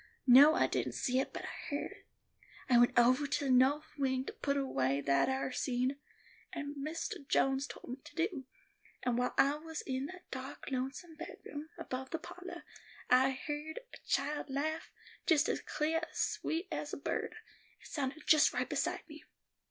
No, I didn't see it, but I heerd it. I went ovah to the noth wing to put away that ar seed, as Mistah Jones told me to do, and while I was in that dark, lonesome bedroom above the pahlor, I heerd a child laugh, just as cleah and sweet as a bird; it sounded just right beside me.